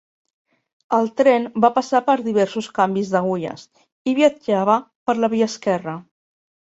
El tren va passar per diversos canvis d'agulles i viatjava per la via esquerra.